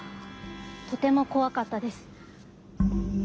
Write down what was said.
とてもこわかったです。